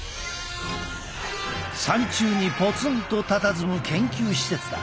山中にぽつんとたたずむ研究施設だ。